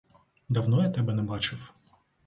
Давно я тебе не бачив.